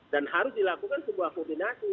dan harus dilakukan sebuah koordinasi